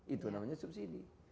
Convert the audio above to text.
itu namanya subsidi